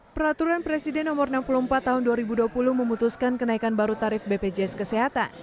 peraturan presiden no enam puluh empat tahun dua ribu dua puluh memutuskan kenaikan baru tarif bpjs kesehatan